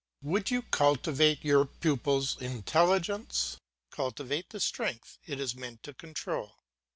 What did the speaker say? Would you cultivate your pupil's intelligence, cultivate the strength it is meant to control.